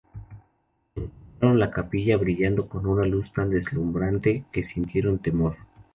Encontraron la capilla brillando con una luz tan deslumbrante que sintieron temor.